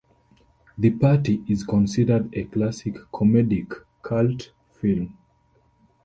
"The Party" is considered a classic comedic cult film.